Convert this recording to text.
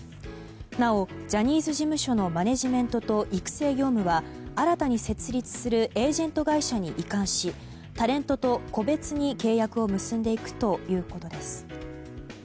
なお、ジャニーズ事務所のマネジメントと育成業務は新たに設立するエージェント会社に移管しタレントと個別に契約を結んでいくということです。